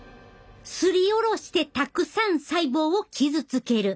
すりおろしてたくさん細胞を傷つける。